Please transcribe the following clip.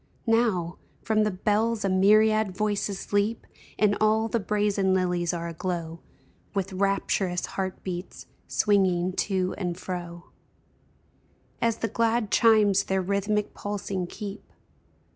Now, from the bells a myriad voices leap. And all the brazen lilies are aglow With rapturous heart beats, swinging to and fro As the glad chimes their rhythmic pulsing keep.